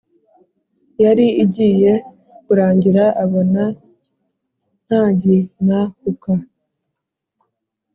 yari igiye kurangira abona ntaginhuka